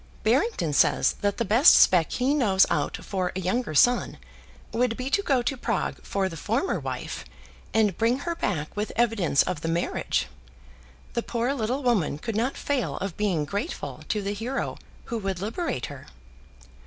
"Barrington says that the best spec he knows out, for a younger son, would be to go to Prague for the former wife, and bring her back with evidence of the marriage. The poor little woman could not fail of being grateful to the hero who would liberate her."